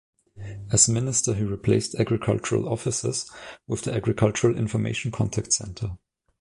As Minister, he replaced agricultural offices with the Agricultural Information Contact Centre.